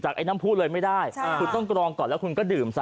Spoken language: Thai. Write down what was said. ไอ้น้ำผู้เลยไม่ได้คุณต้องกรองก่อนแล้วคุณก็ดื่มซะ